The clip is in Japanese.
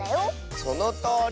そのとおり！